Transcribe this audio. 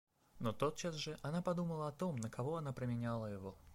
Но тотчас же она подумала о том, на кого она променяла его.